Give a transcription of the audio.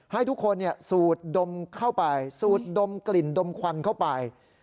ให้ทุกคนสูดดมเข้าไปสูดดมกลิ่นดมควันเข้าไป